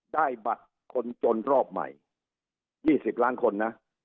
ได้บัตรคนจนรอบใหม่๒๐ล้านคนนะ